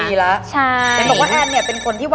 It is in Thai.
ปล่อยปีละ